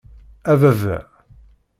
A baba!